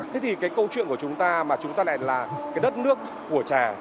thế thì cái câu chuyện của chúng ta mà chúng ta lại là cái đất nước của trà